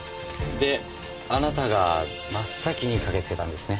であなたが真っ先に駆けつけたんですね？